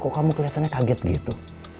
kok kamu kelihatannya kaget gitu